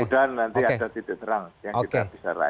semoga nanti ada titik terang yang kita bisa raih